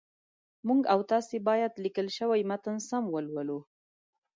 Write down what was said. موږ او تاسي باید لیکل شوی متن سم ولولو